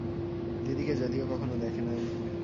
দিদিকে যদিও কখনও দেখে নাই।